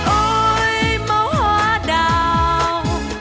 ôi máu hoa đào